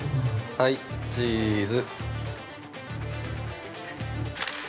はい、チーズ！